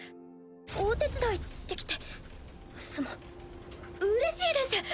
お手伝いできてそのうれしいです。